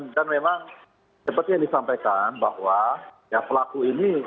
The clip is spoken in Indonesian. dan memang seperti yang disampaikan bahwa pelaku ini